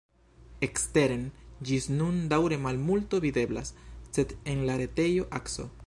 Eksteren ĝis nun daŭre malmulto videblas, sed en la retejo Akso.